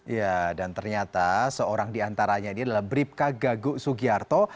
ya dan ternyata seorang diantaranya ini adalah bribka gaguk sugiarto